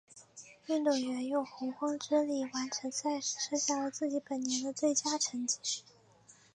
运动员用洪荒之力完成赛事，设下了自己本年的最佳成绩。